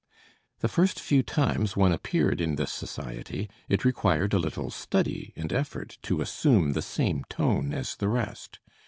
The first few times one appeared in this society, it required a little study and effort to assume the same tone as the rest.